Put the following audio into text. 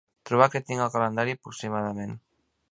Trobar què tinc al calendari pròximament.